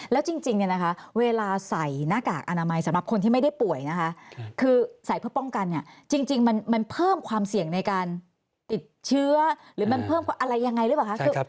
แล้วจริงเนี่ยนะคะเวลาใส่หน้ากากอนามัยสำหรับคนที่ไม่ได้ป่วยนะคะคือใส่เพื่อป้องกันเนี่ยจริงมันเพิ่มความเสี่ยงในการติดเชื้อหรือมันเพิ่มอะไรยังไงหรือเปล่าคะ